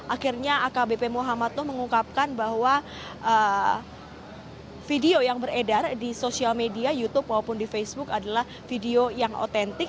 akhirnya akbp muhammad toh mengungkapkan bahwa video yang beredar di sosial media youtube maupun di facebook adalah video yang otentik